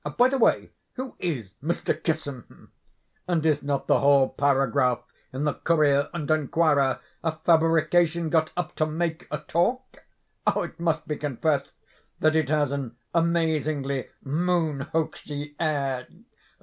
By the way, who is Mr. Kissam? and is not the whole paragraph in the 'Courier and Enquirer' a fabrication got up to 'make a talk'? It must be confessed that it has an amazingly moon hoaxy air.